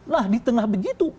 nah di tengah begitu